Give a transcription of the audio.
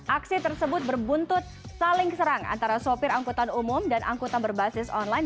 aksi tersebut berbuntut saling serang antara sopir angkutan umum dan angkutan berbasis online